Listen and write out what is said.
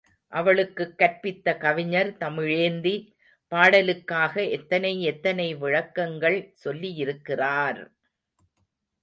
அவளுக்குக் கற்பித்த கவிஞர் தமிழேந்தி, பாடலுக்காக எத்தனை எத்தனை விளக்கங்கள் சொல்லியிருக்கிறார்!...